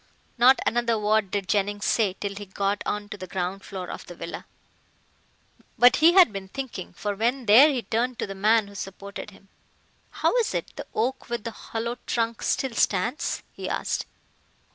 Not another word did Jennings say till he got on to the ground floor of the villa. But he had been thinking, for when there he turned to the man who supported him. "How is it the oak with the hollow trunk still stands?" he asked.